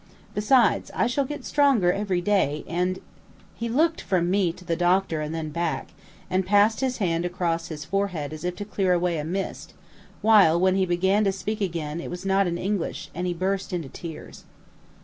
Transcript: Besides, I shall get stronger every day, and " He looked from me to the doctor and then back, and passed his hand across his forehead as if to clear away a mist, while, when he began to speak again, it was not in English, and he burst into tears.